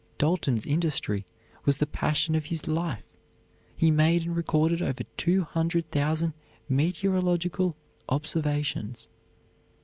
Dalton's industry was the passion of his life. He made and recorded over two hundred thousand meteorological observations.